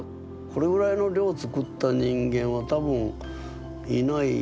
これぐらいの量作った人間は多分いない。